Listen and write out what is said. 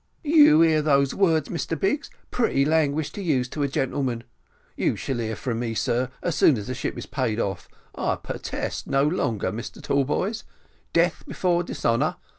"You ear those words, Mr Biggs; pretty language to use to a gentleman. You shall ear from me, sir, as soon as the ship is paid off. I purtest no longer, Mr Tallboys; death before dishonour.